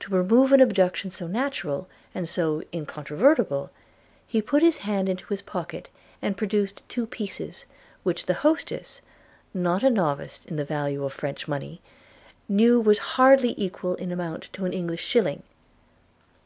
To remove an objection so natural, and so incontrovertible, he put his hand into his pocket, and produced two pieces, which the hostess, not a novice in the value of French money, knew was hardly equal in amount to an English shilling.